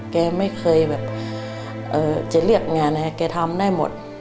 แกไม่เคยแบบจะเรียกงานให้แกทำได้หมด